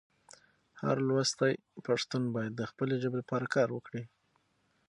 هر لوستی پښتون باید د خپلې ژبې لپاره کار وکړي.